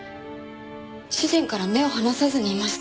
主人から目を離さずにいました。